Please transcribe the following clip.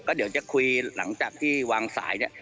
เดี๋ยวจะคุยหลังจากที่วางสายเนี่ย